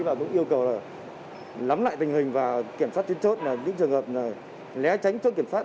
và cũng yêu cầu là lắm lại tình hình và kiểm soát trên chốt là những trường hợp lé tránh trước kiểm soát